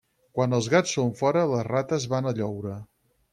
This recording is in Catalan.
Quan els gats són fora, les rates van a lloure.